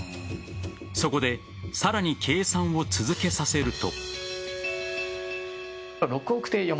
そこで、さらに計算を続けさせると。